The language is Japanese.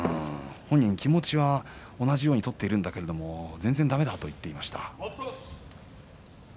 本人、気持ちは同じように取っているんだけれども全然だめだと言っていました。